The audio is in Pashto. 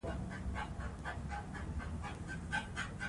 که نجونې زده کړه وکړي، نو ټولنه د اعتماد فضا لري.